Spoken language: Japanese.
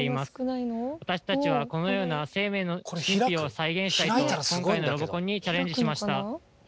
私たちはこのような生命の神秘を再現したいと今回のロボコンにチャレンジしました。